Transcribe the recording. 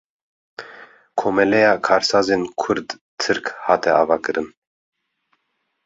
Komeleya Karsazên Kurd-Tirk hate avakirin